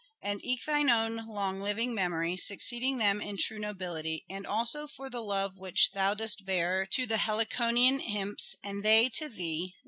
And eke thine own long living memory Succeeding them in true nobility, And also for the love which thou dost bear, To the ' Heliconian imps ',* and they to thee.